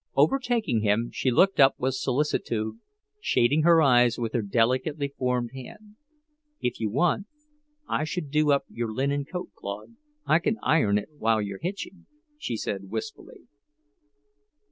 Overtaking him, she looked up with solicitude, shading her eyes with her delicately formed hand. "If you want I should do up your linen coat, Claude, I can iron it while you're hitching," she said wistfully.